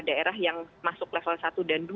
daerah yang masuk level satu dan dua